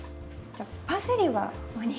じゃあパセリはここに。